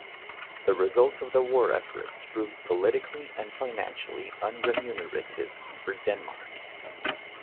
The results of the war efforts proved politically and financially unremunerative for Denmark.